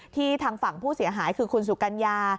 ทางฝั่งผู้เสียหายคือคุณสุกัญญา